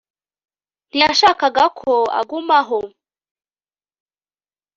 ntiyashakaga ko agumaho